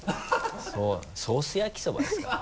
そうソース焼きそばですから。